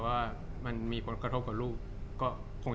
จากความไม่เข้าจันทร์ของผู้ใหญ่ของพ่อกับแม่